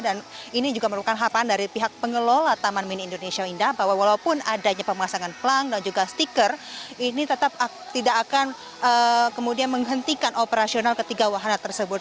dan ini juga merupakan hapan dari pihak pengelola taman mini indonesia indah bahwa walaupun adanya pemasangan pelang dan juga stiker ini tetap tidak akan kemudian menghentikan operasional ketiga wahana tersebut